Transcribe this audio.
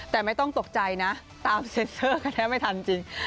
แต่ไม่ต้องตกใจนะตามเซ็นเซอร์กันแทบไม่ทันจริง